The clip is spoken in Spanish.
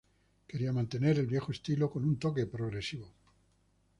Querían mantener el viejo estilo con un toque progresivo.